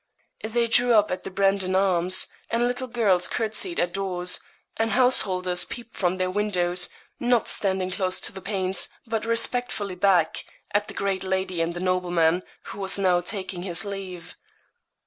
They drew up at the Brandon Arms, and little girls courtesied at doors, and householders peeped from their windows, not standing close to the panes, but respectfully back, at the great lady and the nobleman, who was now taking his leave.